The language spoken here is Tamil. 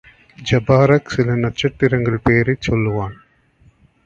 ஜபாரக் சில நட்சத்திரங்களின் பெயர்களைச் சொல்வான்.